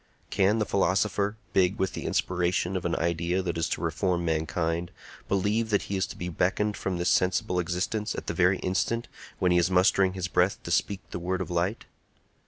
Can the philosopher, big with the inspiration of an idea that is to reform mankind, believe that he is to be beckoned from this sensible existence at the very instant when he is mustering his breath to speak the word of light?